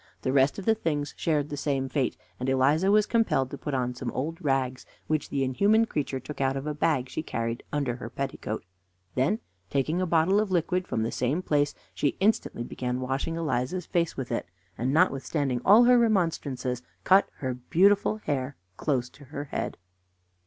The rest of the things shared the same fate, and Eliza was compelled to put on some old rags which the inhuman creature took out of a bag she carried under her petticoat; then, taking a bottle of liquid from the same place, she instantly began washing Eliza's face with it, and, notwithstanding all her remonstrances, cut her beautiful hair close to her head.